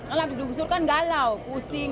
alam sedungusur kan galau pusing